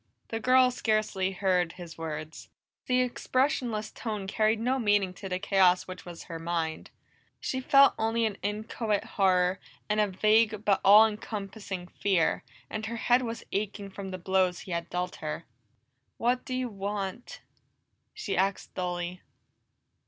The girl scarcely heard his words; the expressionless tone carried no meaning to the chaos which was her mind. She felt only an inchoate horror and a vague but all encompassing fear, and her head was aching from the blows he had dealt her. "What do you want?" she asked dully.